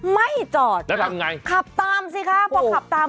ไม่จอดครับขับตามสิครับพอขับตาม